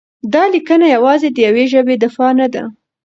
دا لیکنه یوازې د یوې ژبې دفاع نه ده؛